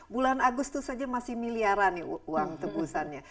bulan agustus saja masih miliaran uang tebusannya